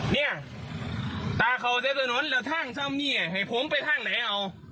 เนี่ยตาเขาเต็มถนนแล้วทางซ่ำเนี่ยให้ผมไปทางไหนเอา